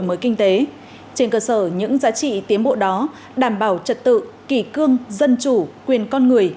mới kinh tế trên cơ sở những giá trị tiến bộ đó đảm bảo trật tự kỷ cương dân chủ quyền con người